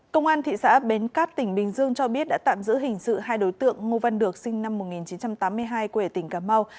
công an thị xã bến cát tỉnh bình dương cho biết đã tạm giữ hình sự hai đối tượng ngô văn được sinh năm một nghìn chín trăm tám mươi hai quê ở tỉnh cà mau